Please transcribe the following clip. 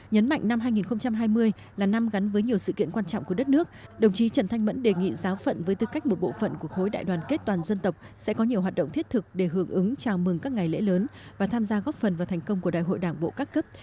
nhấn mạnh năm hai nghìn hai mươi là năm gắn với nhiều sự kiện quan trọng của đất nước đồng chí trần thanh mẫn đề nghị giáo phận với tư cách một bộ phận của khối đại đoàn kết toàn dân tộc sẽ có nhiều hoạt động thiết thực để hưởng ứng chào mừng các ngày lễ lớn và tham gia góp phần vào thành công của đại hội đảng bộ các cấp